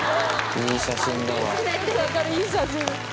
いい写真だわ。